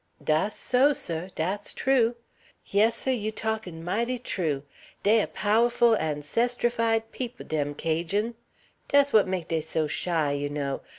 "Dass so, seh; dass true. Yes, seh, you' talkin' mighty true; dey a pow'ful ancestrified peop', dem Cajun'; dass w'at make dey so shy, you know.